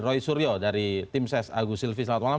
roy suryo dari tim ses agus silvi selamat malam